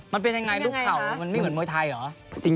มันเป็นยังไงลูกเข่ามันไม่เหมือนมวยไทยเหรอ